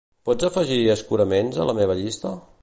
Pots afegir escuradents a la meva llista?